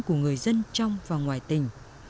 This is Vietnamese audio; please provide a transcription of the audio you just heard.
của người dân trong và ngoài tỉnh